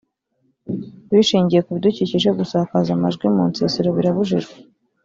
bushingiye ku bidukikije gusakaza amajwi mu nsisiro birabujijwe